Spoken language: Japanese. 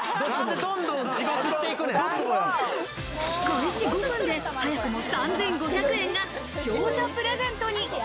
開始５分で早くも３５００円が視聴者プレゼントに。